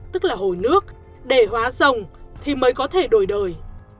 tức là hồi nước để hóa rồng thì mới có thể đổi đời